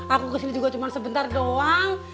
aku kesini juga cuma sebentar doang